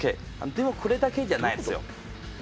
でもこれだけじゃないですよ。